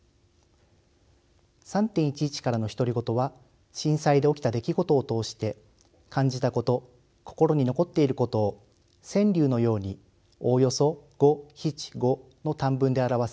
「３．１１からの独り言」は震災で起きた出来事を通して感じたこと心に残っていることを川柳のようにおおよそ五七五の短文で表す表現手法です。